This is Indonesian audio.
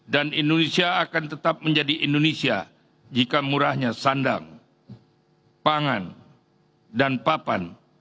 dan indonesia akan tetap menjadi indonesia jika murahnya sandang pangan dan papan